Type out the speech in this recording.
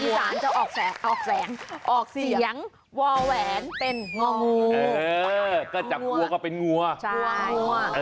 อีสานจะออกแสงวาแหวนเพิ่มหัวงู